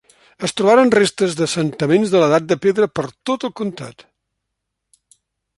Es trobaren restes d'assentaments de l'Edat de Pedra per tot el comtat.